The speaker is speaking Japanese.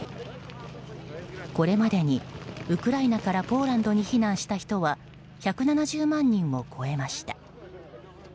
これまでにウクライナからポーランドに避難した人は１７０万人を超えました。